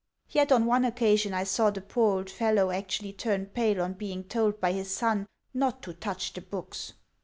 Yet on one occasion I saw the poor old fellow actually turn pale on being told by his son not to touch the books.